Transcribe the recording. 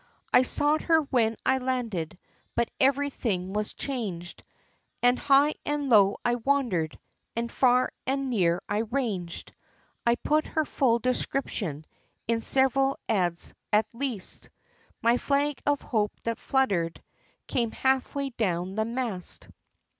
I sought her when I landed, but everything was changed, And high and low I wandered, and far and near I ranged; I put her full description in several ads. at last My flag of hope that fluttered, came half way down the mast.